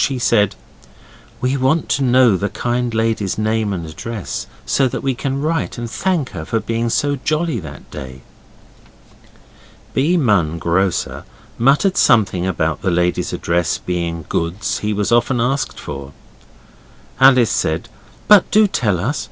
She said 'We want to know the kind lady's name and address, so that we can write and thank her for being so jolly that day.' B. Munn, grocer, muttered something about the lady's address being goods he was often asked for. Alice said, 'But do tell us.